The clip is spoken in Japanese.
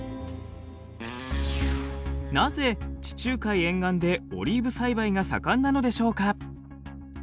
なぜ地中海沿岸でオリーブ栽培が盛んなのでしょうか？